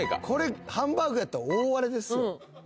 これハンバーグやったら大荒れです。